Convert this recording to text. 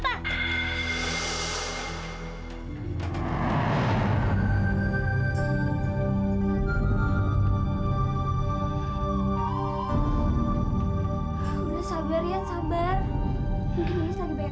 mungkin ini lagi banyak masalah